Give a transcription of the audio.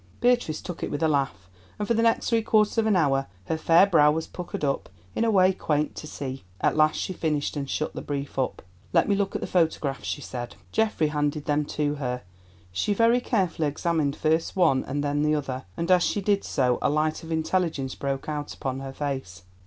Beatrice took it with a laugh, and for the next three quarters of an hour her fair brow was puckered up in a way quaint to see. At last she finished and shut the brief up. "Let me look at the photographs," she said. Geoffrey handed them to her. She very carefully examined first one and then the other, and as she did so a light of intelligence broke out upon her face.